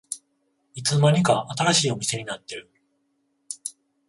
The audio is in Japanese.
いつの間にか新しいお店になってる